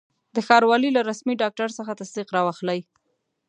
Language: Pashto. د ښاروالي له رسمي ډاکټر څخه تصدیق را واخلئ.